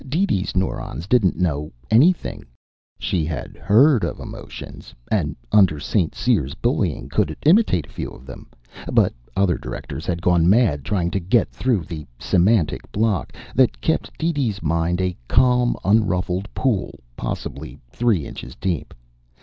DeeDee's neurons didn't know anything. She had heard of emotions, and under St. Cyr's bullying could imitate a few of them, but other directors had gone mad trying to get through the semantic block that kept DeeDee's mind a calm, unruffled pool possibly three inches deep.